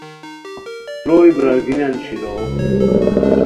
تروئے برارگینیان شیلوغ